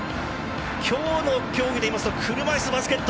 きょうの競技で言いますと車いすバスケット。